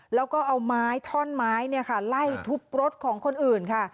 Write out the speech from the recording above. แล้วก็เอาไม้ท่อนไม้ไล่ทุบรถของคนอื่นค่ะ